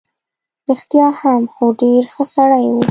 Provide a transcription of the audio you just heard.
رښتیا هم، خو ډېر ښه سړی وو.